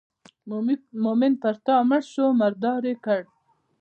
مومن پر تا مړ شو مردار یې کړ.